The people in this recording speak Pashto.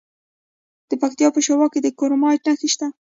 د پکتیا په شواک کې د کرومایټ نښې شته.